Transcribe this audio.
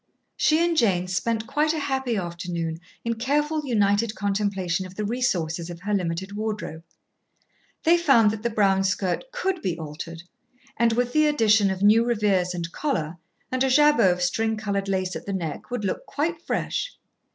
She and Jane spent quite a happy afternoon in careful united contemplation of the resources of her limited wardrobe. They found that the brown skirt could be altered, and, with the addition of new revers and collar and a jabot of string coloured lace at the neck, would look quite fresh.